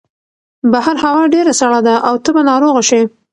بهر هوا ډېره سړه ده او ته به ناروغه شې.